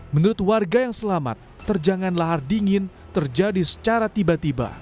menurut warga yang selamat terjangan lahar dingin terjadi secara tiba tiba